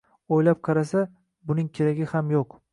o`ylab qarasa, buning keragi ham yo`q